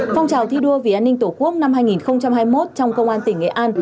phong trào thi đua vì an ninh tổ quốc năm hai nghìn hai mươi một trong công an tỉnh nghệ an